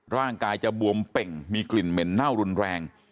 ร่างกายจะบวมเป่งมีกลิ่นเหม็นเน่ารุนแรง